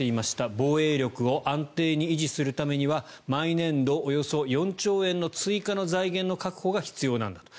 防衛力を安定に維持するためには毎年度およそ４兆円の追加の財源の確保が必要なんだと。